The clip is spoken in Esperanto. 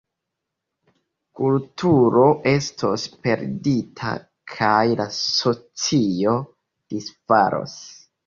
Kulturo estos perdita, kaj la socio disfalos.